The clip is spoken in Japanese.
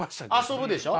遊ぶでしょ。